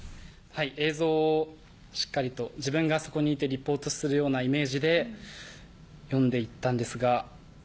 映像をしっかりと自分がそこにいてリポートするようなイメージで読んでいったんですが。